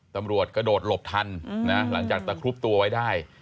ตำรวจกระโดดหลบทันนะหลังจากตะครุบตัวไว้ได้